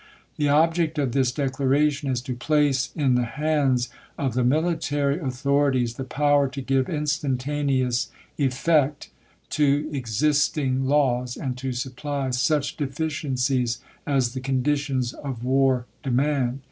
.. The object of this declaration is to place in the hands of the military authorities the power to give instantaneous effect to existing laws, and to sup ply such deficiencies as the conditions of war demand.